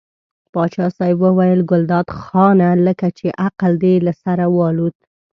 پاچا صاحب وویل ګلداد خانه لکه چې عقل دې له سره والوت.